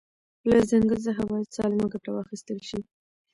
له ځنګل ځخه باید سالمه ګټه واخیستل شي